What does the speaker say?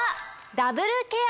ダブルケア？